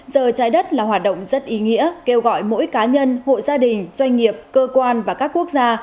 giờ trái đất là hoạt động rất ý nghĩa kêu gọi mỗi cá nhân hộ gia đình doanh nghiệp cơ quan và các quốc gia